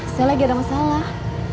saya lagi ada masalah